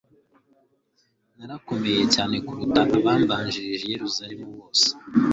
narakomeye cyane kuruta abambanjirije i yeruzalemu bose